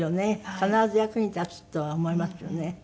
必ず役に立つとは思いますよね。